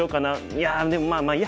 いやでもまあまあいいや。